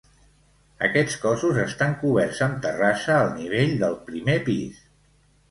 Aquests cossos estan coberts amb terrassa al nivell del primer pis.